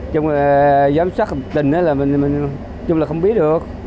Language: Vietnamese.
chúng là giám sát tình là chúng là không biết được